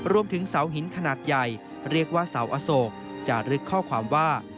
รวมถึงเสาหินขนาดใหญ่เรียกว่าเสาอโศกจารึกข้อความว่า